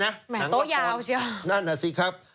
หมายถึงโต๊ะยาวใช่หรอนั่นน่ะสิครับ